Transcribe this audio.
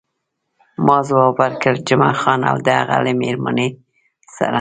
ما ځواب ورکړ، جمعه خان او د هغه له میرمنې سره.